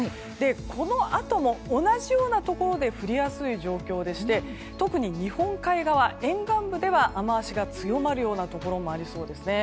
このあとも同じようなところで降りやすい状況でして特に日本海側沿岸部では雨脚が強まるようなところもありそうですね。